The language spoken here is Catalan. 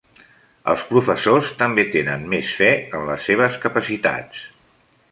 Els professors també tenen més fe en les seves capacitats.